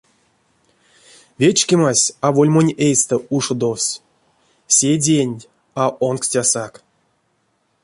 Вечкемась аволь монь эйстэ ушодовсь, седеенть а онкстясак.